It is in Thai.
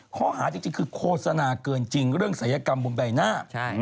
ข้อหาจริงคือโฆษณาเกินจริงเรื่องศัยกรรมบนใบหน้า